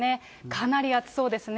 かなり暑そうですね。